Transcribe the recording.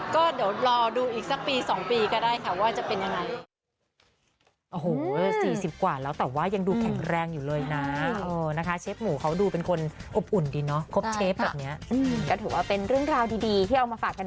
ก็เดี๋ยวรอดูอีกสักปี๒ปีก็ได้ค่ะว่าจะเป็นยังไง